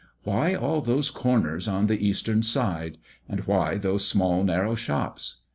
Why all those corners on the eastern side, and why those small narrow shops?